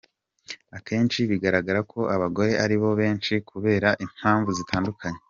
Akenshi bigaragara ko abagore aribo benshi kubera impamvu zitandukanye.